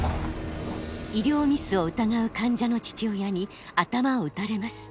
医療ミスを疑う患者の父親に頭を撃たれます。